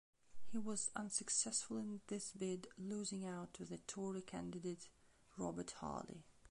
He was unsuccessful in this bid, losing out to the Tory candidate, Robert Harley.